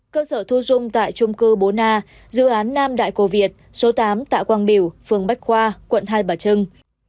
cơ sở thu dung tại trung cư bố na dự án nam đại cổ việt số tám tạ quang biểu phường bách khoa quận hai bà trưng